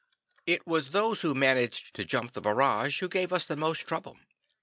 It was those who managed to jump the barrage who gave us the most trouble.